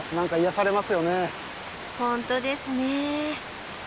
本当ですね。